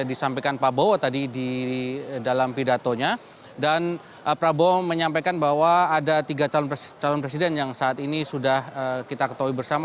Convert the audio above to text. disampaikan prabowo tadi di dalam pidatonya dan prabowo menyampaikan bahwa ada tiga calon presiden yang saat ini sudah kita ketahui bersama